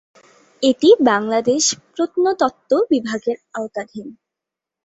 এটি বাংলাদেশ প্রত্নতত্ত্ব বিভাগের আওতাধীন।